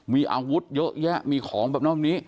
มีอาวุธเยอะแยะมีของแบบนี้